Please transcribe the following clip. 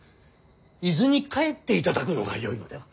伊豆に帰っていただくのがよいのでは。